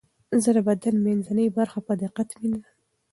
زه د بدن منځنۍ برخه په دقت مینځم.